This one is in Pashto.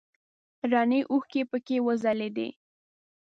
رڼې اوښکې پکې وځلیدې.